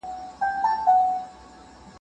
دا ماشوم له نورو تیز دی.